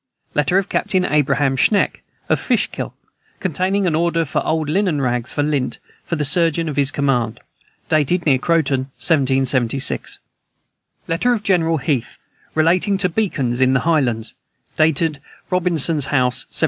Letter of Captain Abraham Schenck, of Fishkill, containing an order for old linen rags, for lint, for the surgeon of his command. Dated near Croton, 1776. Letter of General Heath relating to beacons in the highlands. Dated Robintson's House, 1780.